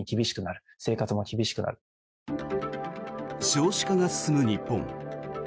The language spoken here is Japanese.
少子化が進む日本。